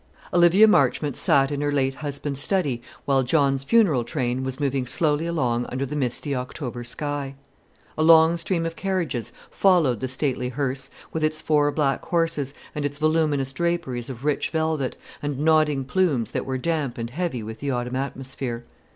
Olivia Marchmont sat in her late husband's study while John's funeral train was moving slowly along under the misty October sky. A long stream of carriages followed the stately hearse, with its four black horses, and its voluminous draperies of rich velvet, and nodding plumes that were damp and heavy with the autumn atmosphere.